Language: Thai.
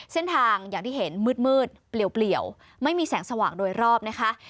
เส้นทางอย่างที่เห็นมืดเปลี่ยวไม่มีแสงสว่างโดยรอบนะคะ